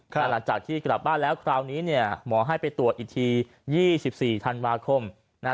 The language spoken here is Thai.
แต่หลังจากที่กลับบ้านแล้วคราวนี้เนี่ยหมอให้ไปตรวจอีกที๒๔ธันวาคมนะฮะ